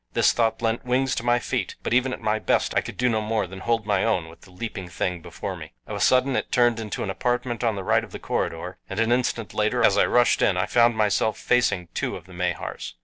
This thought lent wings to my feet; but even at my best I could do no more than hold my own with the leaping thing before me. Of a sudden it turned into an apartment on the right of the corridor, and an instant later as I rushed in I found myself facing two of the Mahars.